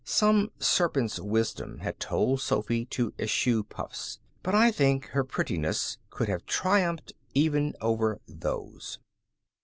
Some serpent's wisdom had told Sophy to eschew puffs. But I think her prettiness could have triumphed even over those.